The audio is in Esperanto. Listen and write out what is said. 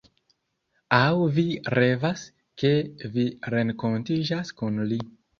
Aŭ vi revas ke vi renkontiĝas kun li